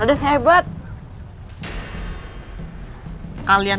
aku akan menang